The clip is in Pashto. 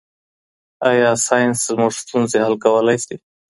آيا ساينس زموږ ستونزې حل کولای سي؟